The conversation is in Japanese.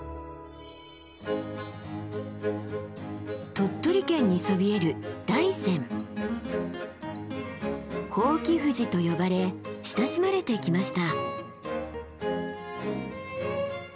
鳥取県にそびえる伯耆富士と呼ばれ親しまれてきました。